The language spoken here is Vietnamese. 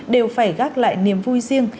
đều phải gác lại niềm vui riêng